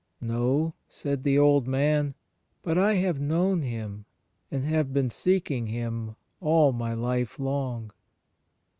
"No," said the old man, "but I have known Him and have been seeking Him all my life long."